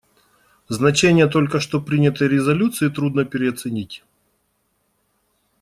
Значение только что принятой резолюции трудно переоценить.